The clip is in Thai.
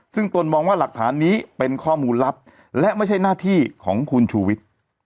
ซึ่งตนมองว่าหลักฐานนี้เป็นข้อมูลลับและไม่ใช่หน้าที่ของคุณชูวิทย์